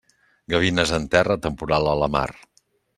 Gavines en terra, temporal a la mar.